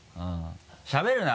しゃべるな！